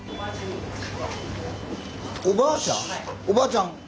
おばあちゃん。